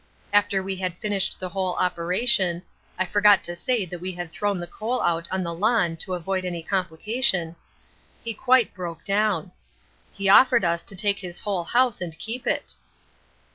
After we had finished the whole operation I forgot to say that we had thrown the coal out on the lawn to avoid any complication he quite broke down. He offered us to take his whole house and keep it."